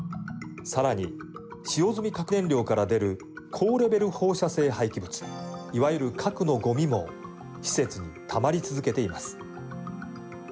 さらに、使用済み核燃料から出る高レベル放射性廃棄物いわゆる核のごみも施設にたまり続けています。